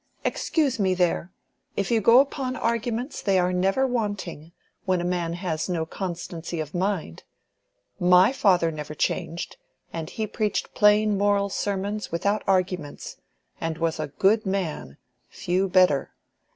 "Excuse me there. If you go upon arguments, they are never wanting, when a man has no constancy of mind. My father never changed, and he preached plain moral sermons without arguments, and was a good man—few better.